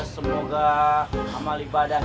semoga amali badannya bu endang